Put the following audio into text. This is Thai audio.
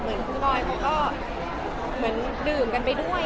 เหมือนฝึกหน่อยเค้าแบบดื่มไปด้วย